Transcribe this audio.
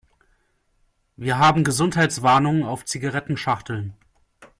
Wir haben Gesundheitswarnungen auf Zigarettenschachteln.